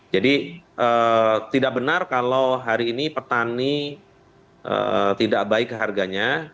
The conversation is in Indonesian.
jadi tidak benar kalau hari ini petani tidak baik harganya